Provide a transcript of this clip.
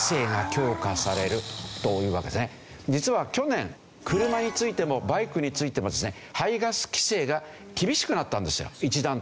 実は去年車についてもバイクについてもですね排ガス規制が厳しくなったんですよ一段と。